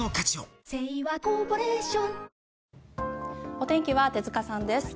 お天気は手塚さんです。